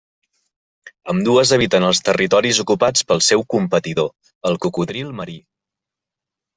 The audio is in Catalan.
Ambdues eviten els territoris ocupats pel seu competidor, el cocodril marí.